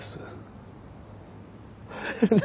何？